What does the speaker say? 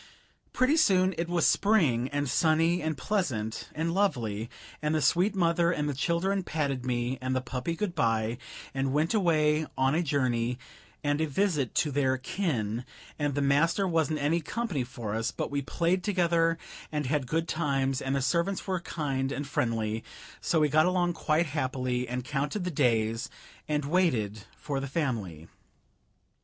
Pretty soon it was spring, and sunny and pleasant and lovely, and the sweet mother and the children patted me and the puppy good by, and went away on a journey and a visit to their kin, and the master wasn't any company for us, but we played together and had good times, and the servants were kind and friendly, so we got along quite happily and counted the days and waited for the family.